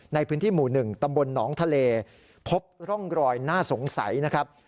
ในพื้นที่หมู่๑ตำบลหนองทะเลพบร่องรอยน่าสงสัยนะครับ